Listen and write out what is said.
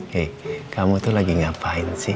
hei kamu tuh lagi ngapain sih